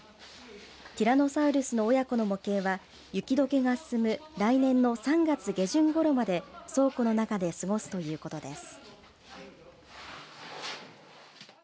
ティラノサウルスの親子の模型は雪どけが進む来年の３月下旬ごろまで倉庫の中で過ごすということです。